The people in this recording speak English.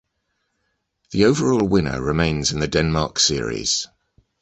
The overall winner remains in the Denmark Series.